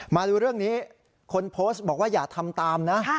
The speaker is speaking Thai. มาดูเรื่องนี้คนโพสต์บอกว่าอย่าทำตามนะ